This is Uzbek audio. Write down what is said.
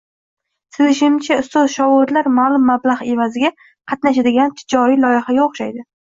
Sezishimcha, ustoz-shogirdlar maʼlum mablagʻ evaziga qatnashadigan tijoriy loyihaga o‘xshadi.